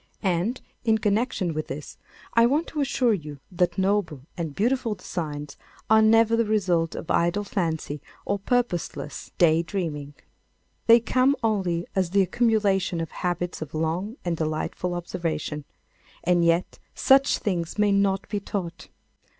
And, in connection with this, I want to assure you that noble and beautiful designs are never the result of idle fancy or purposeless day dreaming. They come only as the accumulation of habits of long and delightful observation. And yet such things may not be taught.